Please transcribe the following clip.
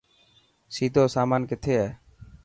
سيدو سامان ڪٿي هي.